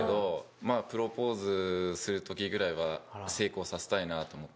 まあプロポーズする時ぐらいは成功させたいなと思って。